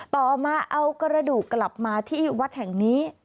ต่อมาเอากระดูกกลับมาที่วัดแห่งนี้